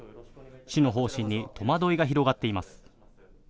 市の方針に戸惑いが広がっています。